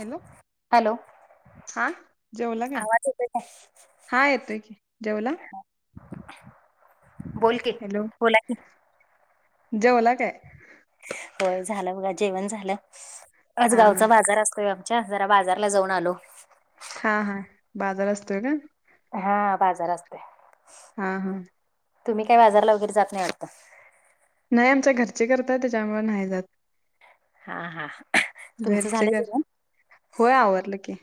Hello. Hello हा, जेवला काय? आवाज येतोय काय? हा येतोय की, जेवला? बोल की. हॅलो. बोला की. जेवला काय? होय झालं बघा जेवण झालं आज हा हा गावचा बाजार असतोय आ. च्या जरा बाजारला जाऊन आलो. हा हा, बाजार असतोय काय? हा बाजार अस हा हा. तुम्ही काय बाजारला वगैरे जात नाही वाटत? नाही आमच्या घरचे करतात त्याच्यामुळे नाही जात. हा हा. तुमचं घरचे झालंय घर, जेवण? होय आवरलं की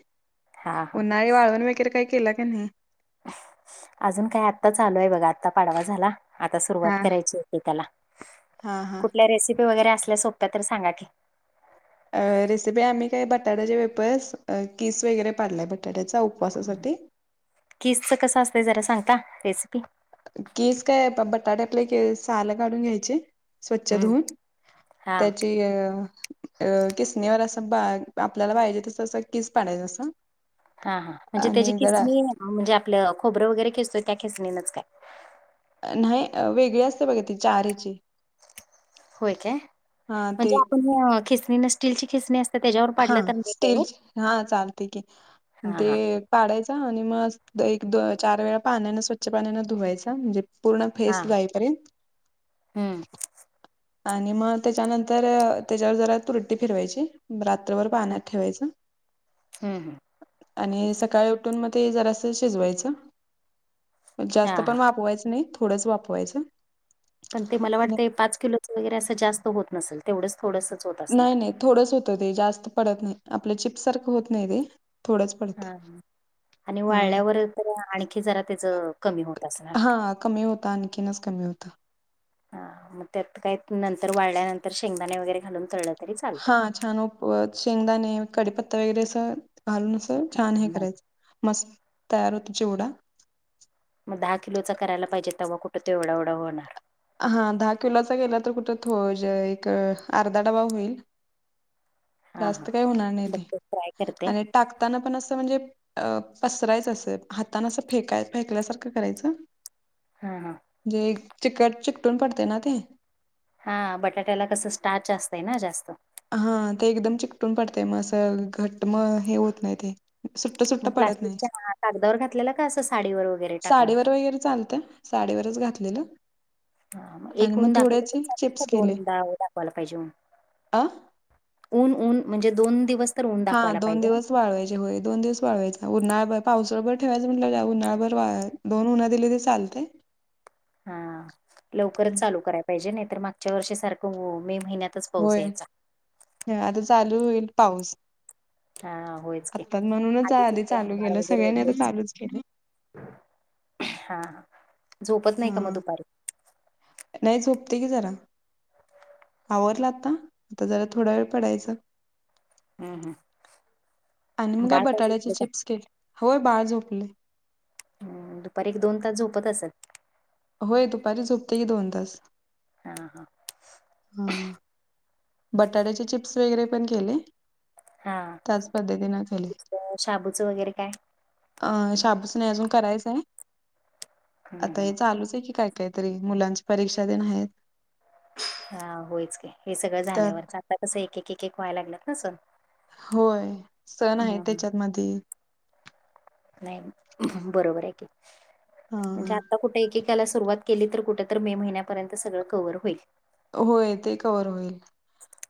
हा हा उन्हाळी वाळवन वै गरे काय केला का नाही? अजून काय आत्ता चालू आहे बघा आता पाडवा झाला. आता सुरुवात हा करायची एकेकाला, हा हा कुठल्या रेसिपी वगैरे असल्या सोप्या तर सांगा की? अ रेसिपी आम्ही काय बटाट्याचे वेफर्स किस वगैरे पाडलाय बटाट्याचा उप उपासासाठी. किस च कस असतंय जरा सांगता रेसिपी? किस काय बटाटे आपले सालं काढून घ्यायची. स्वच्छ हम्म धुण हा त्याची अ अ किसनीवर असं बा आपल्याला पाहिजे तस असं किस पाडयच असं हा हा म्हणजे त्याची आणि जरा खिसनी म्हणजे आपलं खोबरं वगैरे खिसतोय त्या खिसणीनच काय? नाही वेगळी असते बघा ती चार ह्याची. होय काय हा ते म्हणजे आपण खिसनी न स्टीलची खिसनी अस हा स्टील हा चालते की हा ते हा पाडायचा आणि मग अस एक-दो चार वेळा पाण्याने, स्वच्छ पाण्याने धुवायचा म्हणजे पूर्ण हा फेस जाईपर्यंत. हम्म. आणि मग त्याच्यानंतर, त्याच्यावर जरा तुरटी फिरवायची. रात्रभर हम्म पाण्यात ठेवायचं. हम्म. आणि सकाळी उठून मग ते जरासं शिजवायचं. हा जास्त हा पण वाफवायचं नाही, थोडंच वाफवायचं. पण ते मला आणि वाटतंय पाच किलोच वगैरे असं जास्त होत नसल, तेवढंच थोडंसच होत नाही असणार. नाही थोडंच होतं ते जास्त पडत नाही, आपल्या चिप्स सारखं होत नाही ते. थोडंच पडते हां, आणि हा वाळल्यावर तर आणखी जरा त्याचं कमी होत असणार. हां, कमी होतं, आणखीनच कमी होतं. हा, मग त्यात काय नंतर वाळल्यानंतर शेंगदाणे वगैरे घालून तळलं तरी चालतंय. हां, छान उपव शेंगदाणे, कडीपत्ता वगैरे असं घालून, असं छान हे करायचं. मस्त तयार होतो, चिवडा. मग दहा किलोचा करायला पाहिजे, तवा कुठं ते एवढा एवढा होणार. हा, दहा किलोचा केला तर कुठ थो जे एक अर्धा डबा होईल. हा हा जास्त काय होणार नाही ते बघते ट्राय करते. आणि टाकताना पण असं म्हणजे अ पसरायचं असं, हातानं असं फेकाय फेकल्यासारखं करायचं. हां, हा. गे चिकट चिकटून पडतंय ना ते. हां, बटाट्याला कसं स्टार्च असतंय ना जास्त. हां, ते एकदम चिकटून पडतंय, मग असं घट मग हे होत नाही ते. सुट्ट सुट्ट मग पडत नाही, प्लास्टिकच्या हा कागदावर घातलेला का असं साडीवर वगैरे टाकला होता. साडीवर वगैरे चालतं. साडीवरच घातलेलं. हां, आणि एक मग ऊन दाखवलं तर थोड्याचे चालेल चिप्स काय, दोन दा दाखवायला पाहिजे मग. आ. ऊन ऊन म्हणजे दोन दिवस. तर ऊन हां, दाखवायला दोन पाहिजे ना. दिवस वाळवायचे होय, दोन दिवस वाळवायचं उन्हाळाभर पावसाळा भर ठेवायचं म्हणल्यावर काय, उन्हाळाभर वाळ, दोन ऊन दिली तरी चालतंय. हा, लवकरच चालू कराय पाहिजे, नाही तर मागच्या वर्षीसारखं हो, मे महिन्यात. होय, हे आता चालू होईल पाऊस. हा होयच की आता म्हणूनच आधीच आधी इथे चालू केलं, सगळ्यांनी आता चालूच केलंय. हां, झोपत नाही का मग हा दुपारी? नाही, झोपते की जरा. आवरलं आता, आता जरा थोडा वेळ पडायचं. हम्म हम्म आणि मग काय बाळ बटाट्याचे झोपलं का? चिप्स केले, होय, बाळ झोपलंय. हम्म, दुपारी एक दोन तास झोपत असल. होय, दुपारी झोपतंय की दोन तास. आ हा. हा. बटाट्याचे चिप्स वगैरे पण केले. हा. त्याच पद्धतीनं केले. दुसरं शाबूचं वगैरे काय? अ... शाबूच नाही अजून करायचाय, हम्म आता हम्म. हे चालूच आहे की काय. काहीतरी मुलांची परीक्षा देनं आहेत. हा, होयच की हे सगळं त्यात झाल्यावरच आता कसं एक-एक-एक व्हाय लागल्यात ना सण. होय. सण आहे हम्म त्याच्यातमधी. नाही. बरोबर आहे की हा म्हणजे आता कुठे एक सुरुवात केली तर कुठ मे महिना पर्यंत सगळ कव्हर होईल. होय. ते कवर होईल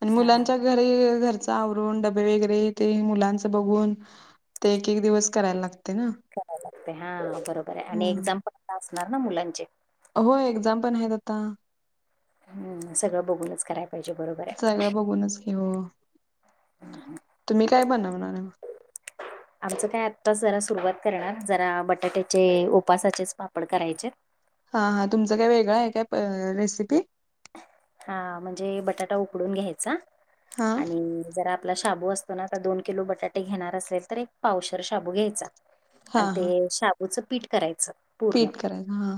आणि हा. मुलांच्या घरी आवरून डबे वगैरे ते मुलांचं बघून. ते एक -एक दिवस करायला लागत. करायला लागते हा बरोबर आहे आणि एक्झाम परत असणार ना मुलांची. होय. एक्झाम पण आहेत आता. सगळं बघूनच कराय पाहिजे बरोबर आहे. कोणीच की हो. तुम्ही काय बनणार आहे मग? आमचं काय आत्ताच जरा सुरुवात करणार जरा बटाट्याचे उपासाचेच पापड करायचे. हा- हा तुमचं काय वेगळं आहे काय रेसिपी? हा. म्हणजे बटाटा उकडून घ्यायचा हा आणि जरा आपला शाबू असतो ना. आता दोन किलो बटाटे घेणार असेल तर एक पावशेर शाबू घ्यायचा. हा आणि हा ते शाबूचं पीठ करायचं. पूर्ण पीठ करायच हा.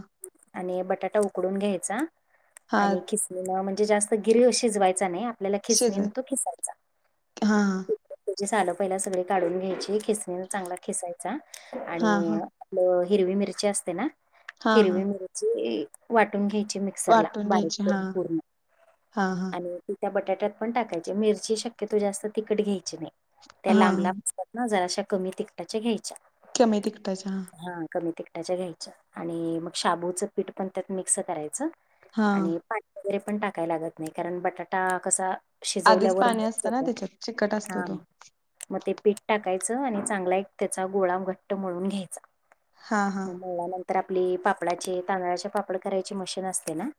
आणि बटाटा उकडून घ्यायचा हा आणि किसनी जास्त गिरी शिजवायचा नाही आपल्याला तो किसणी न शिजत खिसायचा. हा हा त्याची सालं पहिला सगळी काढून घ्यायची. खिसणी चांगला खिसायचा हा आणि हा आ आपली हिरवी मिरची असते ना हा हा हिरवी मिरची वाटून घ्यायची मग मिक्सरला वाटून बारीक घ्यायची हा करून. पूर्ण हा- हा. त्या बटाट्यात पण टाकायची मिरची शक्यतो जास्त तिकड घ्यायची नाही त्या हा लांब - लांब त्या ना जरा अशा कमी तिकटाच्या घ्यायच्या. कमी तिकटाच्या हा. हा कमी तिकटाच्या घ्यायच्या. आणि मग शाबूचं पीठ पण त्यात मिक्स करायचं. हा आणि पाणी वगैरे पण टाकाय लागत नाही कारण बटाटा कसा आधीच शिजवल्यावर पाणी असतं ना [unintelligible] त्याच्यात चिकट असतो तो मग ते पीठ टाकायचं आणि चांगला एक त्याचा गोळा घट्ट मळून घ्यायचा. हा हा मग मळल्या नंतर आपली पापडाची तांदळाचे पापड करायची मशीन असते ना.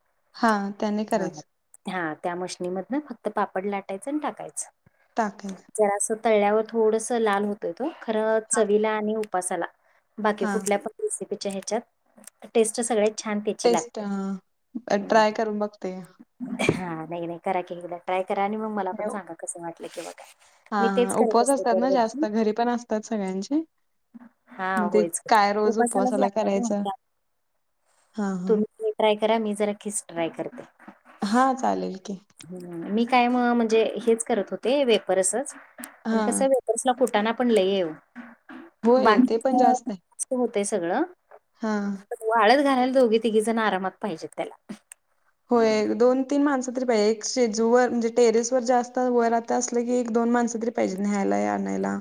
हा त्यांनी करायचं. हा मशनीमधन फक्त पापड लाटायचं टाकायचं. टाकायचं. जरासं तळल्यावर थोडस लाल होतय तो खरं चवीला आणि उपासाला. बाकी हा कुठल्या पण रेसिपीच्या ह्याच्यात टेस्ट सगळ्या टेस्ट ट्राय करून बघते. हा नाही - नाही करा की एकदा ट्राय करा आणि मग मला पण सांगा कसं वाटलं किंवा काय. हा मी तेच -हा करत उपवास असते असतात ना. जास्त दरवर्षी घरी पण असतात सगळ्यांचे. हा मण ते होयच काय रोज उपासालाच उपवासाला लागतात ना करायचं. त्या- हा हा तुम्ही ते ट्राय करा मी जरा खीच ट्राय करते. हा चालेल की. हम्म. मी काय म्हणजे हेच करत होते वेफर्सच पण हा कस वेफर्सला कुटाणा पण लई ये [unintelligible] होय ते बाकीत पण होतय सगळं. हां. वाळत घालायला दोघी तिघी जण आरामात पाहिजेत त्याला. होय दोन तीन माणसं तरी पाहिजे एक शेजू वर म्हणजे टेरेस वर जास्त वर आता असलं की एक दोन माणस तरी पाहिजे न्यायला या आणायला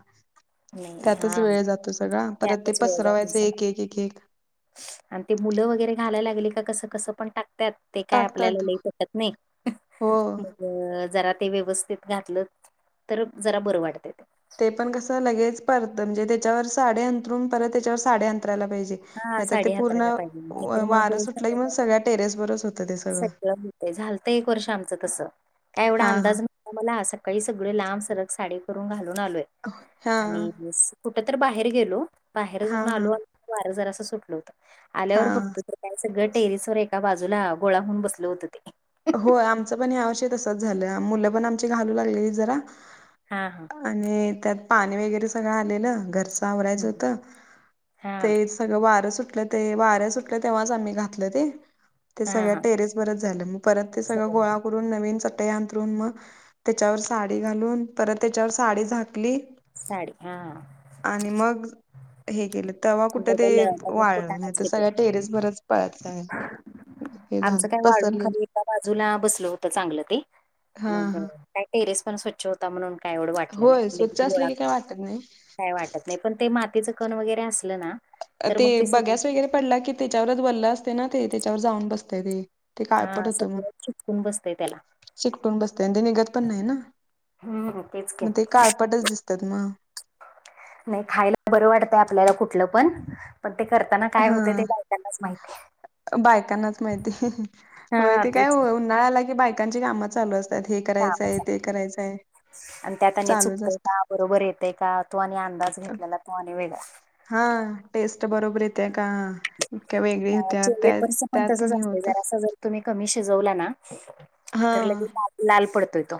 नाही त्यातच हा वेळ जातो सगळा. परत ते त्यातच वेळ जातोय पसरवायचं सगळा एक एक एक एक. आणि ते मुलं वगैरे घालायला लागली का कसं कसं पण टाकत्यात ते काय आपल्याला टाकतात लय पटत नाही हो मग अ जरा ते व्यवस्थित घातलं तर जरा बरं वाटत ते. ते पण कसं लगेच परतं न म्हणजे त्याच्यावर साडे अंथरून परत त्याच्यावर साडी अंथरायला पाहिजे हा नाही तर ते साडी हातरायला पूर्ण पाहिजे नाहीतर मग वारं सुटलं की मग सगळं सगळ्या टेरेस वरच होत ते सगळं. ते झालतं एक वर्ष आमचं तसं काय एवढा हा हा अंदाज न आमाला सकाळी सगळे लांब सरग साडी करून घालून आलोय हा आणि कुठ तर बाहेर गेलो, बाहेर हा जाऊन हा आलो आणि वार जरासं सुटल होतं आल्यावर हा बघतो तर काय सगळं टेरिस वर एका बाजूला गोळा होऊन बसल होतं ते. होय आमचं पण या वर्षी तसंच झालंय मुलं पण आमची घालू लागलेली जरा. हा हा. आणि त्यात पाणी वगैरे सगळं आलेलं घरचं आवरायचं हम्म. होत हा तेच सगळं वारं सुटलं ते वाऱ्या सुटलं तेव्हाच आम्ही घातलं ते. ते हा सगळ्या हा. टेरेस वरच झालं मग परत ते सगळं गोळा करून नवीन चटई अंथरून मग त्याच्यावर साडी घालून परत त्याच्यावर साडी झाकली. साडी हा. आणि मग हे केलं तेव्हा कुठे ते डबल डबल वाळल नाही फुटाणाच तर घेतो सगळ्या टेरेस भरच प हे झालं आमचं काय वाळून पसरलेली. खाली एका बाजूला बसल होत चांगलं ते हा मग हा काय टेरेस पण स्वच्छ होता म्हणून काय एवढं वाटलं होय नाय स्वच्छ लगे असले गोळा की काय वाटत नाही काय वाटत नाही पण ते मातीचं कण वगैरे असलं ना तर ते मग सगळं बघ्यास वगैरे पडला की त्याच्यावरच ओल्ल असतय ना ते त्याच्यावर जाऊन बसतय ते. ते काळपट हा होतं मग सगळ चिटकून बसतंय त्याला. चिकटून बसतय आन ते निघत पण नाही ना हम्म तेच की मग ते काळपटच दिसत्यात मग. नाही खायला बरं वाटतंय आपल्याला कुठलं पण पण ते करताना काय हा होतय ते बायकांनाच माहितीय. बायकांनाच माहिती होय हा ते काय तेच उन्हाळा आला की बायकांची काम चालू अस हे करायचंय, कामाचा ते करायचय आणि त्यात आणि चालूच चुकतंय असतंय. का बरोबर येतय का तो आणि अंदाज घेतलेला तो आणि वेगळा. हा टेस्ट बरोबर येतीय का? का वेगळी होत्या अ, त्या वेपर्स पण त्यात तसंच हे असते होत. जरासा जर तुम्ही कमी शिजवला ना हा तर लगेच लाल लाल पडतोय तो.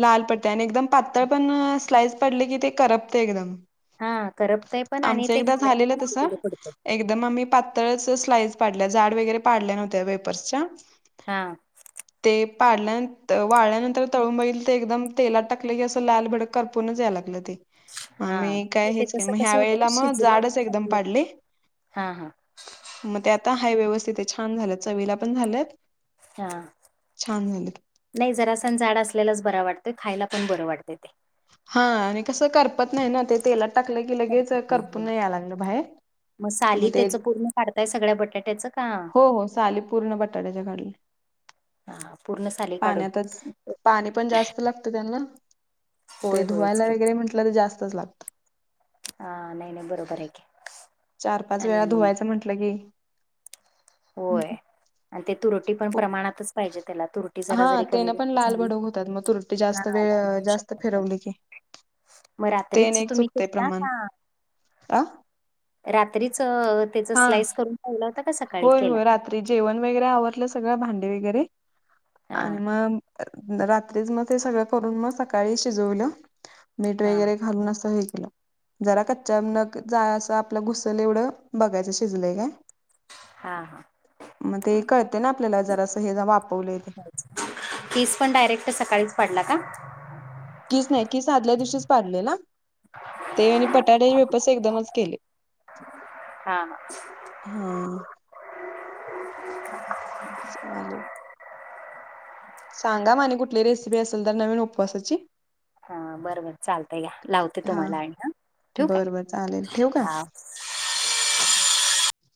लाल पडतय आणि एकदम पातळ पण स्लाइस पडले की ते करपतय एकदम. हा करपतय पण आणि आमचं ते एकदा घालायला झालेलं पण तस. अवघड पडतय एकदा मग आम्ही पातळच स्लाईस पाडल्या जाड वगैरे पाडल्या नव्हत्या वेपर्सच्या. हां. ते पाडल्यान वाळल्यानंतर तळून बघितल ते एकदम तेलात टाकले की अस ते लाल भडक करपूनच जाय लागलं ते. मग मी हां काय होतय हेच काय मग तस. ह्या वेळेला मग जाडच एकदम पाडले. हा हा म ते आता हा व्यवस्थित हाय व्यवस्थित हाय छान झालं चवीला पण झालत हा नाही जरा सण जाड असलेलाच बरा वाटतय खायला पण बरं वाटतय ते. हा आणि कसं करपत नाही ना ते तेलात टाकलं की लगेच हं. करपून या लागलं बाहेर मग म साली ते त्याच पूर्ण काढताय सगळ्या बटाट्याचं हो हो साली पूर्ण बटाट्याच्या काढल्या, हा पूर्ण साली काढून पाण्यातच पाणी पण जास्त लागत त्यांना ते होय होयच धुवायला की वगैरे म्हटलं तर जास्तच लागत. हा नाही नाही बरोबर हाय की. चार पाच आणि वेळा धुवायचं म्हंटलं की होय आणि ते तुरटी पण प्रमाणातच पाहिजे त्याला तुर टी जरा हा जरी कमी तेन पण जास्त लाल झाली भडक होतात मग तुरटी जास्त वेळ जास्त फिरवली की [unintelligible] म तेन रात्रीच एक तुम्ही चुकतय फिरता प्रमाण का आ रात्रीच त्याच हा स्लाईस करून ठेवलं होत होय होय रात्री जेवण वगैरे आवरलं सगळं भांडी वगैरे हा आणि म रात्रीच म ते सगळं करून म सकाळी शिजवलं. मीठ हा वगैरे घालून असं हे केलं. जरा कच्चा जा असं आपलं घुसलं एवढं बघायचं शिजलंय काय हां हां म ते कळतय ना आपल्याला जरासं हे वाफवलय ते कीस पण डायरेक्ट सकाळीच पाडला का कीस नाही कीस आदल्या दिवशीच पाडलेला ते आणि बटाटे वेफर्स एकदमच केले. हा हा चालेल सांगा म आणि कुठली रेसिपी असेल तर नवीन उपवासाची हा बरं बर चालतं घ्या लावते तुम्हाला आणि हा ठेउ काय बरं बर चालेल ठेवू का? हा